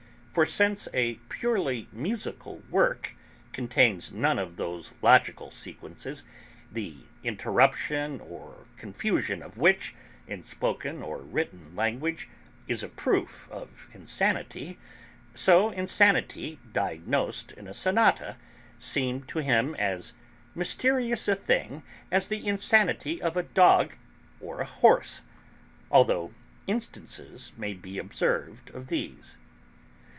For, since a purely musical work contains none of those logical sequences, the interruption or confusion of which, in spoken or written language, is a proof of insanity, so insanity diagnosed in a sonata seemed to him as mysterious a thing as the insanity of a dog or a horse, although instances may be observed of these.